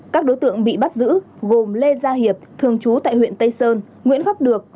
các đối tượng bị bắt giữ gồm lê gia hiệp thường trú tại huyện tây sơn nguyễn khắc được